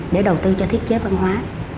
để đầu tư cho thiết chế văn hóa